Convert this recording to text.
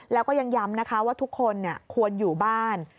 แล้วก็ยังย้ำนะคะว่าทุกคนควรอยู่บ้าน